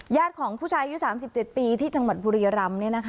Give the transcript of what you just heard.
ญาติของผู้ชายอยู่๓๗ปีที่จังหวัดบุรียรัมน์